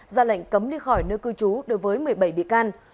ra lệnh cấm đi khỏi nơi cư trú đối với một mươi bảy bị can